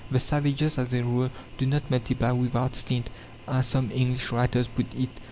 The savages, as a rule, do not "multiply without stint," as some English writers put it.